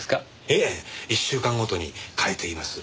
いえ１週間ごとに変えています。